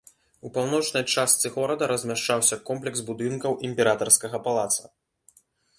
У паўночнай частцы горада размяшчаўся комплекс будынкаў імператарскага палаца.